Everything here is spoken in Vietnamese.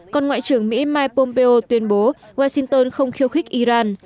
còn ngoại trưởng mỹ mike pompeo tuyên bố washington không khiêu khích iran